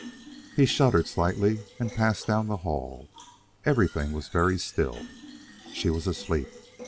He shuddered slightly and passed down the hall. Everything was very still. She was asleep.